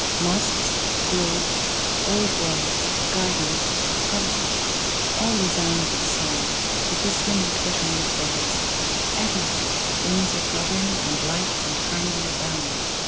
Mosques, groves, old walls, gardens, palaces all resound with song, the whistling and twittering of birds; everywhere wings are fluttering and life and harmony abound.